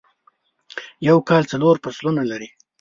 یو کال څلور فصلونه لری